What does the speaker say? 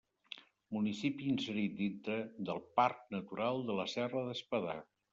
Municipi inserit dintre del Parc Natural de la Serra d'Espadà.